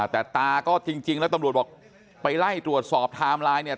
แต่ตาก็จริงแล้วตำรวจบอกไปไล่ตรวจสอบไทม์ไลน์เนี่ย